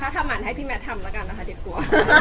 ถ้าทำมันให้พี่แมททำแล้วกันนะคะเดี๋ยวกลัว